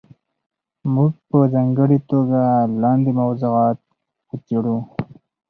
موږ به په ځانګړې توګه لاندې موضوعات وڅېړو.